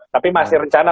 tapi masih rencana